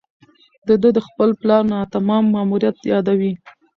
ده د خپل پلار ناتمام ماموریت یادوي.